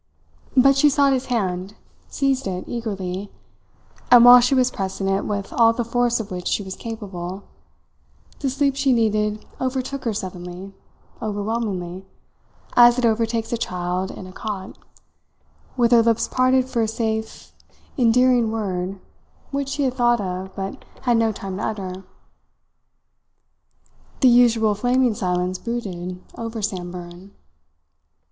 But she sought his hand, seized it eagerly; and while she was pressing it with all the force of which she was capable, the sleep she needed overtook her suddenly, overwhelmingly, as it overtakes a child in a cot, with her lips parted for a safe, endearing word which she had thought of but had no time to utter. The usual flaming silence brooded over Samburan.